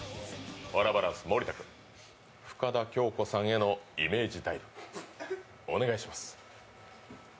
ワラバランス盛田君、深田恭子さんへのイメージダイブお願いします。